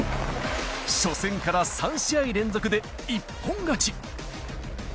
初戦から３試合連続で一本勝ち。